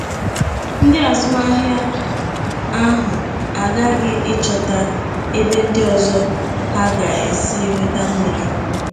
Ndị azụmahịa ahụ aghaghị ịchọta ebe ndị ọzọ ha ga-esi nweta mmiri.